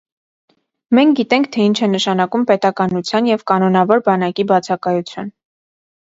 Մենք գիտենք, թե ինչ է նշանակում պետականության և կանոնավոր բանակի բացակայություն։